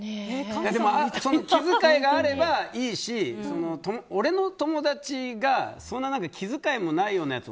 でも気遣いがあればいいし俺の友達がそんな気遣いもないようなやつ